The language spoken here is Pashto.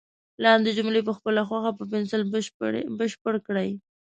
لاندې جملې په خپله خوښه په پنسل بشپړ کړئ.